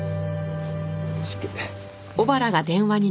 失敬。